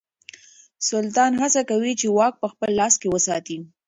سلطان هڅه کوي چې واک په خپل لاس کې وساتي.